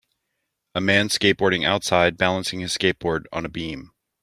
A man skateboarding outside balancing his skateboard on a beam.